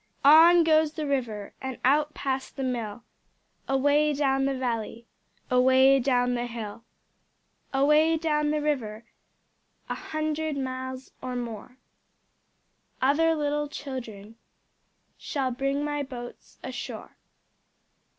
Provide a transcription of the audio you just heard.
On goes the river And out past the mill, Away down the valley, Away down the hill. Away down the river, A hundred miles or more, Other little children Shall bring my boats ashore.